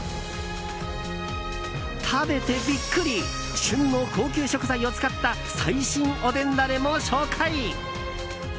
食べてビックリ旬の高級食材を使った最新おでんだねも紹介。